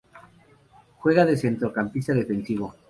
Juega de centrocampista defensivo.